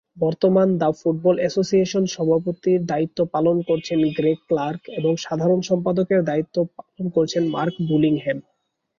বর্তমানে the football অ্যাসোসিয়েশনের সভাপতির দায়িত্ব পালন করছেন গ্রেগ ক্লার্ক এবং সাধারণ সম্পাদকের দায়িত্ব পালন করছেন মার্ক বুলিংহ্যাম।